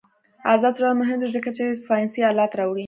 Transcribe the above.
آزاد تجارت مهم دی ځکه چې ساینسي آلات راوړي.